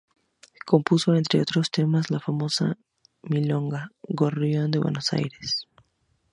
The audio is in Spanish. Compuso, entre otros temas, la famosa milonga "Gorrión de Buenos Aires".